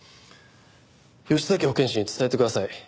吉崎保健師に伝えてください。